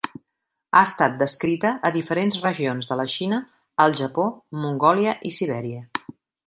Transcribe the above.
Ha estat descrita a diferents regions de la Xina, al Japó, Mongòlia i Sibèria.